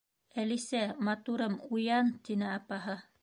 —Әлисә, матурым, уян! —тине апаһы.